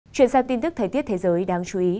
chuyển sang tin tức thời tiết thế giới đáng chú ý